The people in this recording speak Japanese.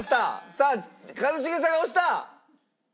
さあ一茂さん押した！